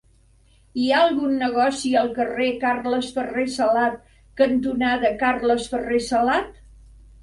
Hi ha algun negoci al carrer Carles Ferrer Salat cantonada Carles Ferrer Salat?